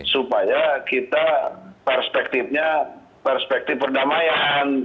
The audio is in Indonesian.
supaya kita perspektifnya perspektif perdamaian